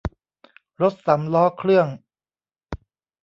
รถสามล้อเครื่อง